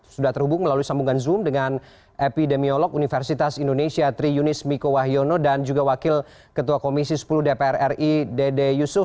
sudah terhubung melalui sambungan zoom dengan epidemiolog universitas indonesia tri yunis miko wahyono dan juga wakil ketua komisi sepuluh dpr ri dede yusuf